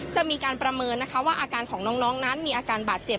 จะมีการประเมินนะคะว่าอาการของน้องนั้นมีอาการบาดเจ็บ